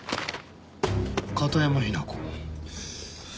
片山雛子。